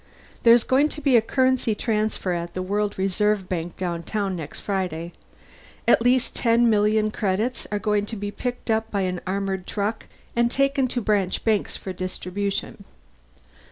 "There's going to be a currency transfer at the World Reserve Bank downtown next Friday. At least ten million credits are going to be picked up by an armored truck and taken to branch banks for distribution.